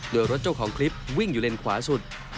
โดยรถเจ้าของคลิปวิ่งอยู่เลนขวาสุด